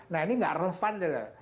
nah ini nggak relevan tuh